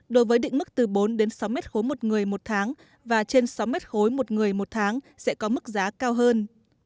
đối với định mức từ bốn đến sáu m ba một người một tháng và trên sáu m ba một người một tháng sẽ có mức giá cao hơn